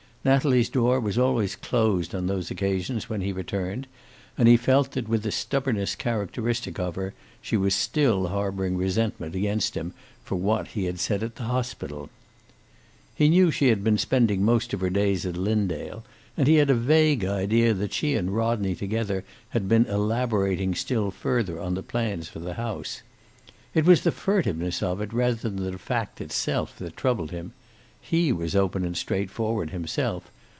Natalie's door was always closed on those occasions when he returned, and he felt that with the stubbornness characteristic of her she was still harboring resentment against him for what he had said at the hospital. He knew she was spending most of her days at Linndale, and he had a vague idea that she and Rodney together had been elaborating still further on the plans for the house. It was the furtiveness of it rather than the fact itself that troubled him. He was open and straightforward himself.